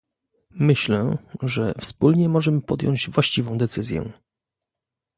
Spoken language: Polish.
Myślę, że wspólnie możemy podjąć właściwą decyzję